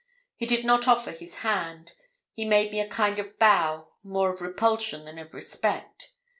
He did not offer his hand; he made me a kind of bow, more of repulsion than of respect.